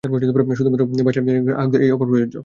শুধুমাত্র ব্যাশের গ্রাহকদের জন্য এই অফার প্রযোজ্য।